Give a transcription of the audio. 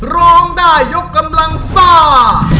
ร้องได้ยกกำลังซ่า